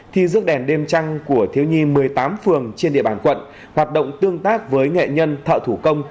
thi rước đèn đêm trăng của thiếu nhi một mươi tám phường trên địa bàn quận hoạt động tương tác với nghệ nhân thợ thủ công